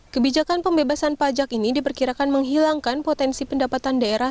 kebijakan pembebasan pajak ini diperkirakan menghilangkan potensi pendapatan daerah